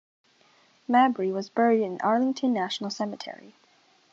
Mabry was buried in Arlington National Cemetery.